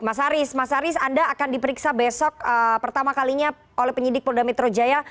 mas haris mas haris anda akan diperiksa besok pertama kalinya oleh penyidik polda metro jaya